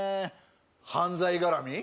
犯罪絡み？